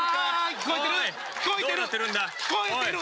聞こえてる！